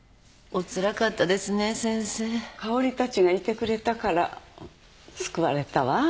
香織たちがいてくれたから救われたわ。